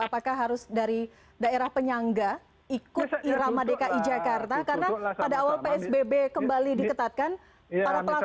apakah harus dari daerah penyangga ikut irama dki jakarta